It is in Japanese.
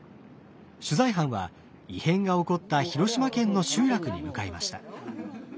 取材班は異変が起こった広島県の集落に向かいました。